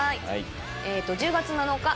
１０月７日